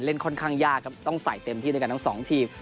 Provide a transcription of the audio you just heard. ค่อนข้างยากครับต้องใส่เต็มที่ด้วยกันทั้งสองทีม